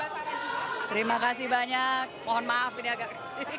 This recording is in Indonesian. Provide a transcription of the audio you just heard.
terima kasih banyak mohon maaf ini agak